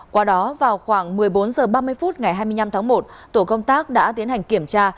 qua đó vào khoảng một mươi bốn h ba mươi phút ngày hai mươi năm tháng một tổ công tác đã tiến hành kiểm tra